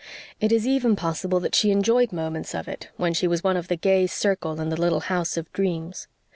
It is even possible that she enjoyed moments of it, when she was one of the gay circle in the little house of dreams.